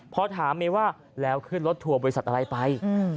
พอถามเมย์ว่าแล้วขึ้นรถทัวร์บริษัทอะไรไป